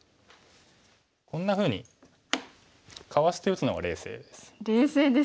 こんなふうにかわして打つのが冷静です。